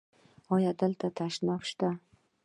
ایا دلته تشناب شته؟